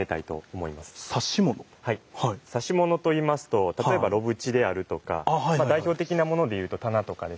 指物といいますと例えば炉縁であるとか代表的なものでいうと棚とかですね